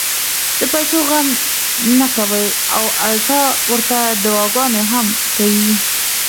د پېسو غم نۀ کوي او الټا ورته دعاګانې هم کوي -